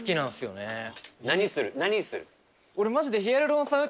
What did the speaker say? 何する？